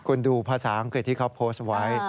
คุณดูภาษาอังกฤษที่เขาโพสต์ไว้